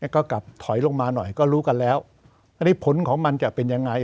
ก็กลับถอยลงมาหน่อยก็รู้กันแล้วอันนี้ผลของมันจะเป็นยังไง